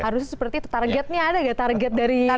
harus seperti targetnya ada gak target dari